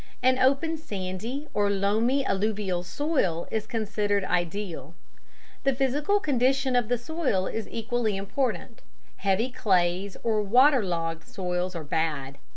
An open sandy or loamy alluvial soil is considered ideal. The physical condition of the soil is equally important: heavy clays or water logged soils are bad.